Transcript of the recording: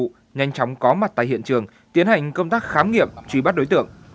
đàn ông khoảng hai mươi năm tuổi bị đâm chọng có mặt tại hiện trường tiến hành công tác khám nghiệp truy bắt đối tượng